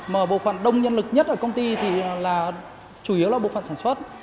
mà bộ phận đông nhân lực nhất ở công ty thì là chủ yếu là bộ phận sản xuất